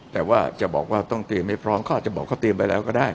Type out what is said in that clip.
แต่ว่าจะบอกว่าต้องเตรียมให้พร้อมเขาอาจจะบอกเขาเตรียมไปแล้วก็ได้